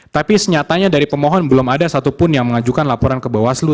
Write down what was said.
tapi senyatanya dari pemohon belum ada satupun yang mengajukan laporan ke bawaslu